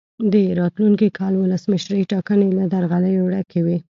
د راتلونکي کال ولسمشرۍ ټاکنې له درغلیو ډکې وې.